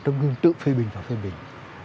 tâm hương tự phê bình và phê bình